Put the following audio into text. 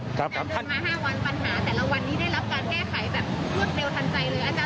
อาจารย์เริ่มมา๕วันปัญหาแต่ละวันนี้ได้รับการแก้ไขแบบรวดเร็วทันใจเลย